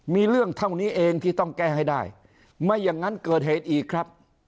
มีเรื่องเท่านี้เองที่ต้องแก้ให้ได้ไม่อย่างนั้นเกิดเหตุอีกครับ